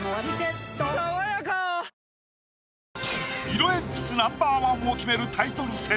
色鉛筆ナンバー１を決めるタイトル戦。